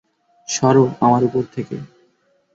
সরো আমার ওপর থেকে!